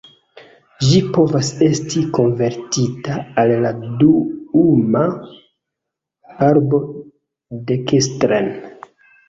Ĝi povas esti konvertita al la duuma arbo dekstren.